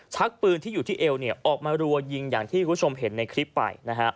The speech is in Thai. ชักปืนที่อยู่ที่เอวออกมารัวยิงอย่างที่คุณผู้ชมเห็นในคลิปไป